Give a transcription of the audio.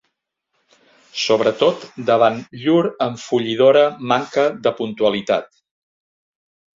Sobretot davant llur enfollidora manca de puntualitat.